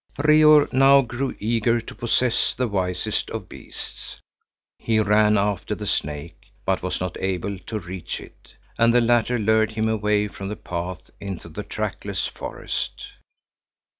Reor now grew eager to possess the wisest of beasts. He ran after the snake, but was not able to reach it, and the latter lured him away from the path into the trackless forest.